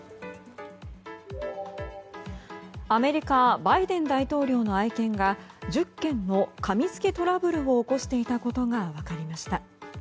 アメリカバイデン大統領の愛犬が１０件のかみつきトラブルを起こしていたことが分かりました。